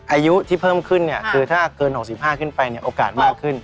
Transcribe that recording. อายุที่เพิ่มขึ้นเนี่ยคือถ้าเกิน๖๕ขึ้นไปเนี่ยโอกาสมากขึ้น